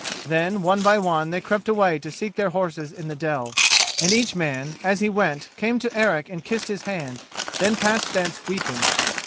Then one by one they crept away to seek their horses in the dell. And each man as he went came to Eric and kissed his hand, then passed thence weeping.